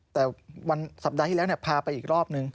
แต่วันสัปดาห์ที่แล้วพาไปอีกรอบนึง